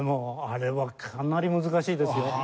あれはかなり難しいですよ。